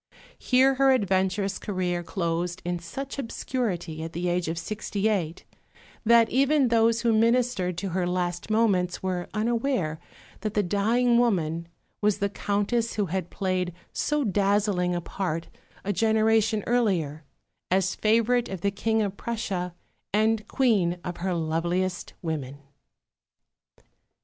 Here her adventurous career closed in such obscurity, at the age of sixty eight, that even those who ministered to her last moments were unaware that the dying woman was the Countess who had played so dazzling a part a generation earlier, as favourite of the King of Prussia and Queen of her loveliest women.